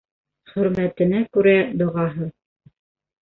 Хөрмәтенә күрә доғаһы.